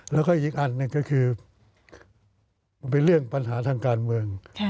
แล้วก็อีกอันหนึ่งก็คือมันเป็นเรื่องปัญหาทางการเมือง